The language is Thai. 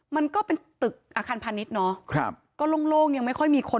มันก็เป็นตึกอาคารพาณิชย์เนาะก็โล่งยังไม่ค่อยมีคน